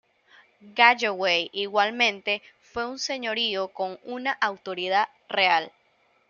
Galloway, igualmente, fue un señorío con una autoridad real.